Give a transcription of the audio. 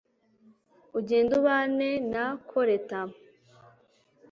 ugende ubane na koleta